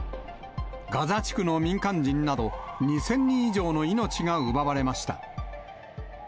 ガザ地区の民間人など、２０００人以上の命が奪われました。